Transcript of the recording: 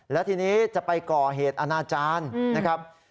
และทีนี้จะไปก่อเหตุอนาจารย์นะครับ